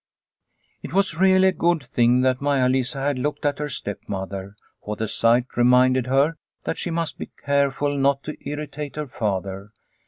It was really a good thing that Maia Lisa had looked at her stepmother, for the sight reminded her that she must be careful not to irritate her father.